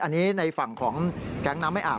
อันนี้ในฝั่งของแก๊งน้ำไม่อาบ